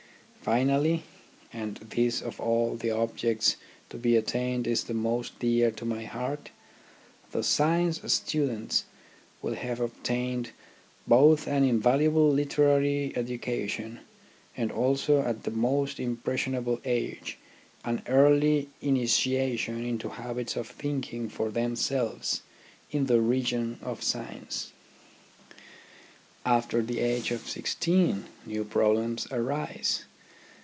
Finally and this of all the objects to be attained is the most dear to my heart the science students will have obtained both an invaluable literary educa tion and also at the most impressionable age an early initiation into habits of thinking for them selves in the region of science. After the age of sixteen new problems arise.